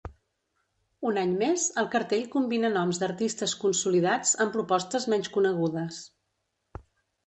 Un any més, el cartell combina noms d’artistes consolidats amb propostes menys conegudes.